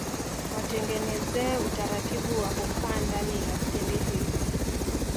Watengenezee utaratibu wa kukaa ndani ya stendi hii